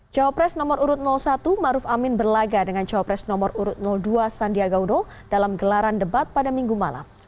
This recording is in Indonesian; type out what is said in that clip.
jawa press nomor urut satu maruf amin berlaga dengan jawa press nomor urut dua sandiaga udo dalam gelaran debat pada minggu malam